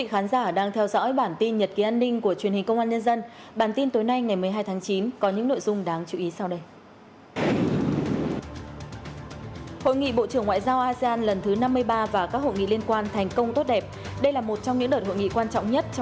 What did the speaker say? hãy đăng ký kênh để ủng hộ kênh của chúng mình nhé